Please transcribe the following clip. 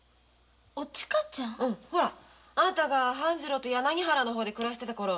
おちかちゃん？あんたが半次郎と柳原で暮らしてたころ